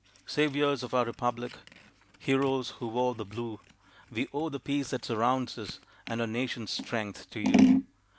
Saviors of our Republic, Heroes who wore the blue, We owe the peace that surrounds us And our Nation's strength to you.